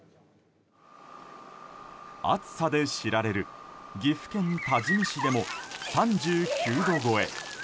暑さで知られる岐阜県多治見市でも３９度超え。